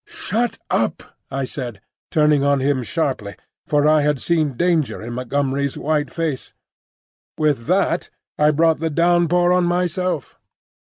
"Shut up!" I said, turning on him sharply, for I had seen danger in Montgomery's white face. With that I brought the downpour on myself.